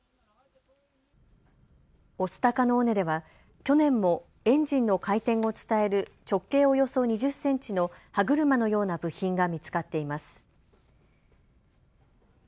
御巣鷹の尾根では去年もエンジンの回転を伝える直径およそ２０センチの歯車のような部品が見つかっています。